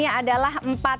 niet sana beragam juga nah